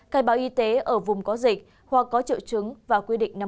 cài báo y tế ở vùng có dịch hoặc có triệu chứng và quy định năm k